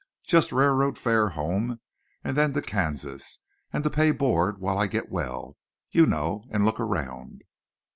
"Just railroad fare home, and then to Kansas, and to pay board while I get well, you know, and look around."